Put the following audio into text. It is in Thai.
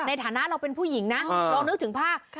ในฐานะเราเป็นผู้หญิงนะลองนึกถึงภาพ